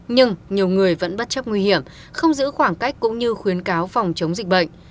nhưng nhiều người vẫn bất chấp nguy hiểm không giữ khoảng cách cũng như khuyến cáo phòng chống dịch bệnh